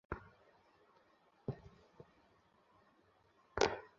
তবে কমিটির আহ্বায়ক পৌর মেয়র ফখরুল আলমসহ সবাই সায়দুল্লাহর অনুসারী হিসেবে পরিচিত।